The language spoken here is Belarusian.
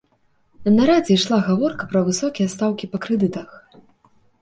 На нарадзе ішла гаворка пра высокія стаўкі па крэдытах.